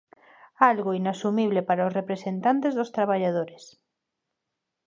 Algo inasumible para os representantes dos traballadores.